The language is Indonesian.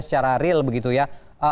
secara real begitu ya